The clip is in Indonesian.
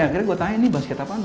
akhirnya gue tanya ini basket apa